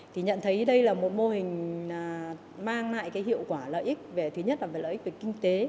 thì nhận thấy đây là một mô hình mang lại cái hiệu quả lợi ích thứ nhất là về lợi ích về kinh tế